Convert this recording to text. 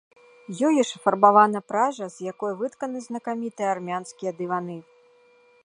Ёю ж афарбавана пража, з якой вытканы знакамітыя армянскія дываны.